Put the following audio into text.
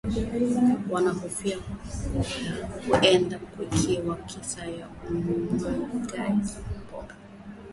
wanahofia huenda ikawa ni kisa cha unywaji pombe